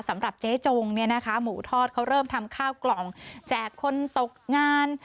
สำหรับเจ๊จงเนี่ยนะคะหมูทอดเขาเริ่มทำข้าวกล่องแจกคนตกงาน